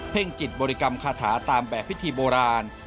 จิตบริกรรมคาถาตามแบบพิธีโบราณ